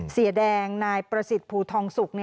เสียแดงนายประสิทธิ์ภูทองสุก